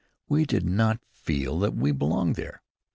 We did not feel that we belonged there.